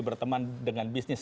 berteman dengan bisnis